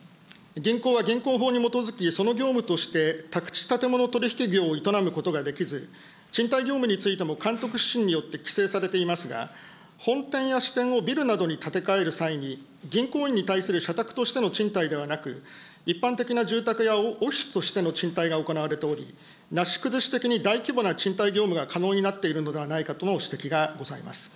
銀行は銀行法に基づくその業務として宅地建物取引業を営むことができず、賃貸業務についても、監督指針によって規制されておりますが、本店や支店をビルなどに建て替える際に、銀行員に対する社宅としての賃貸ではなく、一般的な住宅やオフィスとしての賃貸が行われており、なし崩し的に大規模な賃貸業務が可能になっているのではないかとの指摘がございます。